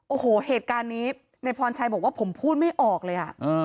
โอ้โหเหตุการณ์นี้ในพรชัยบอกว่าผมพูดไม่ออกเลย